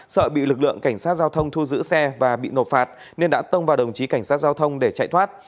sợ bị lực lượng cảnh sát giao thông thu giữ xe và bị nộp phạt nên đã tông vào đồng chí cảnh sát giao thông để chạy thoát